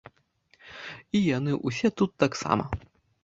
І яны ўсе тут таксама.